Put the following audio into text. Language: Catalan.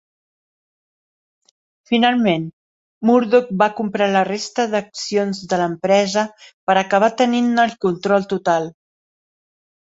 Finalment, Murdoch va comprar la resta d'accions de l'empresa, per acabar tenint-ne el control total.